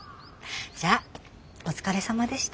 じゃあお疲れさまでした。